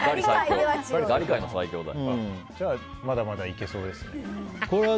じゃあまだまだいけそうですね。